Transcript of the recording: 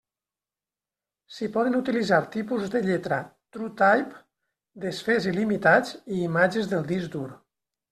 S'hi poden utilitzar tipus de lletra TrueType, desfés il·limitats i imatges del disc dur.